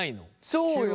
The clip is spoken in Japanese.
そうよね。